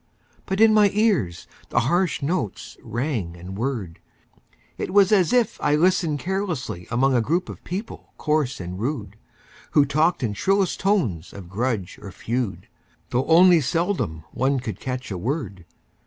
But in my ears the harsh notes rang and whirred; It was as if I listened carelessly Among a crowd of people coarse and rude, Who talked in shrillest tones of grudge or feud, Though only seldom one could catch a word.